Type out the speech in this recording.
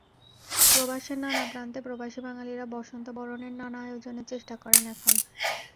প্রবাসের নানা প্রান্তে প্রবাসী বাঙালিরা বসন্তবরণের নানা আয়োজনের চেষ্টা করেন এখন।